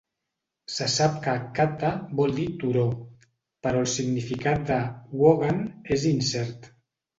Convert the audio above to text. Se sap que "katta" vol dir "turó", però el significat de "wongan" és incert.